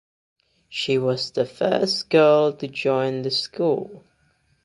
She was the first girl to join the school.